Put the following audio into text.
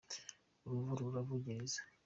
Uruvu ruravugiriza.